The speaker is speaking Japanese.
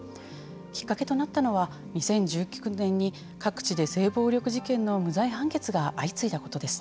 きっかけとなったのは２０１９年に各地で性暴力事件の無罪判決が相次いだことです。